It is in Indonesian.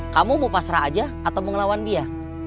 kamu mau pasrah aja atau mau ngelawan dia